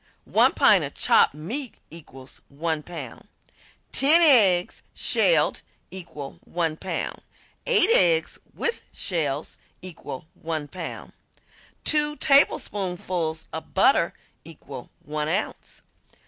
One pint of chopped meat equals 1 pound. Ten eggs, shelled, equal 1 pound. Eight eggs with shells equal 1 pound. Two tablespoonfuls of butter equal 1 ounce.